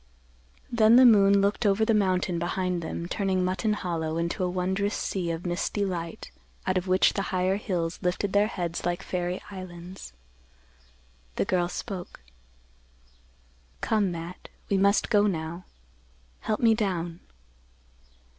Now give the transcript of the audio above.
Then the moon looked over the mountain behind them turning Mutton Hollow into a wondrous sea of misty light out of which the higher hills lifted their heads like fairy islands. The girl spoke, "Come, Matt; we must go now. Help me down."